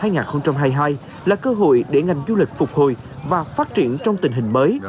năm hai nghìn hai mươi hai là cơ hội để ngành du lịch phục hồi và phát triển trong tình hình mới